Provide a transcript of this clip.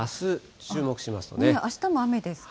あしたも雨ですか。